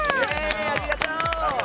ありがとう！